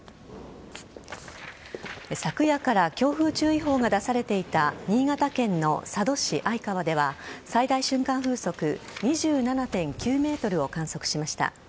昨夜から強風注意報が出されていた新潟県の佐渡市相川では最大瞬間風速２７．９メートルを観測しました。